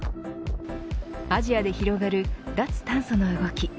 アジアで広がる脱炭素の動き。